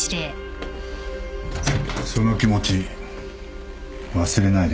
その気持ち忘れないでください。